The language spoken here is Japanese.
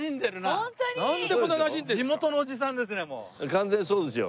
完全にそうですよ。